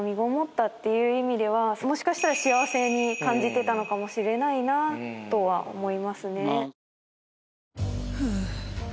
もしかしたら幸せに感じてたのかもしれないなとは思いますね。